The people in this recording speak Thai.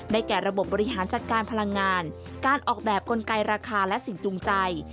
แก่ระบบบบริหารจัดการพลังงานการออกแบบกลไกราคาและสิ่งจูงใจ